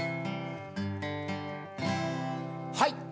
はい！